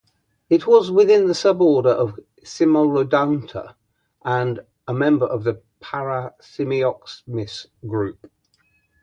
It was within the suborder of Cimolodonta, and a member of the Paracimexomys group.